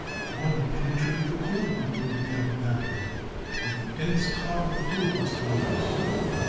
One penetrated the coal bunker of the Alabama, and a dense cloud of coal dust arose.